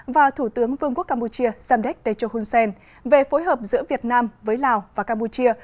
và thủ tướng vương quốc campuchia zamdek techo hunsen về phối hợp giữa việt nam với lào và campuchia